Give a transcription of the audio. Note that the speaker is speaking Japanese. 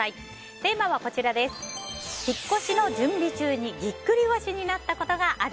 テーマは、引っ越しの準備中にぎっくり腰になったことがある。